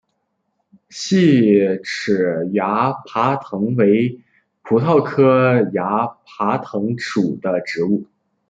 细齿崖爬藤为葡萄科崖爬藤属的植物。